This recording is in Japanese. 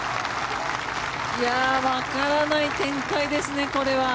わからない展開ですねこれは。